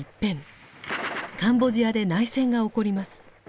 カンボジアで内戦が起こります。